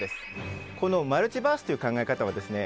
このマルチバースという考え方はですね